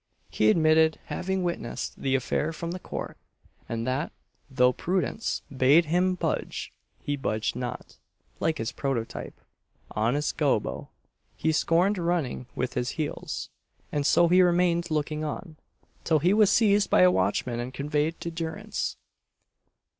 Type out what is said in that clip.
He admitted having witnessed the affair from the court; and that, though prudence "bade him budge, he budged not" like his prototype, honest Gobbo, he scorned running with his heels, and so he remained looking on, till he was seized by a watchman and conveyed to durance.